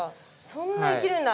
そんな生きるんだ。